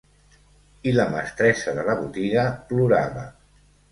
I la mestressa de la botiga plorava.